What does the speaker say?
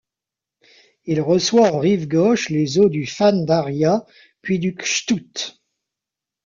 Il reçoit en rive gauche les eaux du Fan-Daria, puis du Kchtout.